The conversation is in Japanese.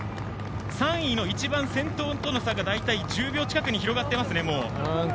３位の一番、先頭との差が大体１０秒近くに広がっています。